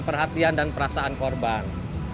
perhatian dan perasaan korban